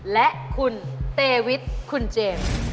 และคุณเตวิทคุณเจมส์